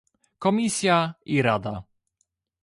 Komisja i Rada